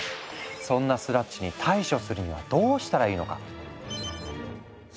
そんなスラッジに対処するにはどうしたらいいのか？